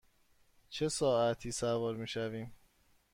چه ساعتی سوار می شویم؟